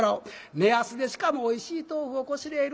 値安でしかもおいしい豆腐をこしれえる